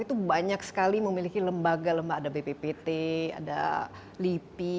itu banyak sekali memiliki lembaga lembaga ada bppt ada lipi